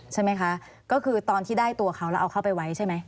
ใช่ไหมคะก็คือตอนที่ได้ตัวเขาแล้วเอาเข้าไปไว้ใช่ไหม